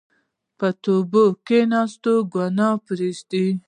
په توبې کښېنه، ګناه پرېږده.